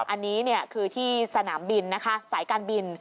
อันนี้คือที่สนามบินนะคะสายการบิน